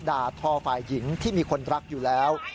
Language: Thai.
ด่าทอฝ่ายหญิงที่มีคนรักอยู่แล้ว